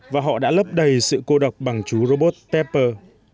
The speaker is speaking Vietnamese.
và họ đã lấp đầy sự cô độc bằng chú robot tepper